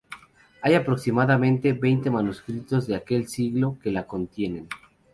Hay aproximadamente veinte manuscritos de aquel siglo que la contienen.